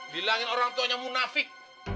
bilangin orang tuanya munafik